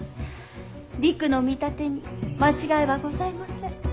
りくの見立てに間違いはございません。